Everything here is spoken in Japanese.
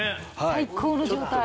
最高の状態。